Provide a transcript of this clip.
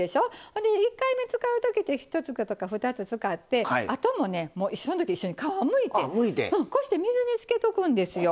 ほんで１回目使う時って１つとか２つ使ってあともねその時一緒に皮むいてこうして水につけとくんですよ。